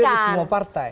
dan hampir semua partai